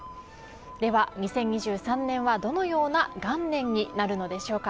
では２０２３年はどのような元年になるのでしょうか。